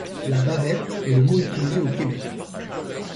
La bavette est le mot utilisé au Québec.